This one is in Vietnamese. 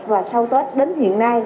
và sau tết đến hiện nay